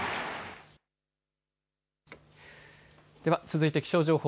では続いて気象情報。